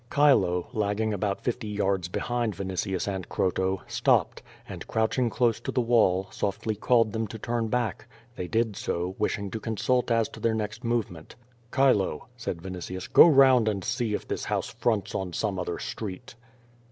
Chilo, lagging about fifty yards behind Vinitius and Croto, stopped, and croucliing close to the wall, softly called them to turn back. They did so, wishing to consult as to their next movement. "Chilo," said Vinitius, "go round and see if this house fronts on some other street."